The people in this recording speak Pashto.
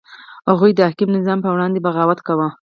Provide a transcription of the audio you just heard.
هغوی د حاکم نظام په وړاندې بغاوت کاوه.